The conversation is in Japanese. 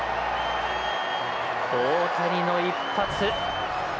大谷の一発。